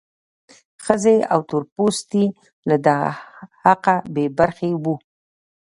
ښځې او تور پوستي له دغه حقه بې برخې وو.